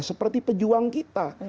seperti pejuang kita